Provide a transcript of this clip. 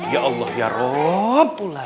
ya allah ya roh pula